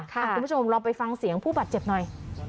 คุณผู้ชมลองไปฟังเสียงผู้บาดเจ็บหน่อย